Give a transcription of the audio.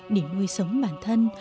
để nuôi sống bản thân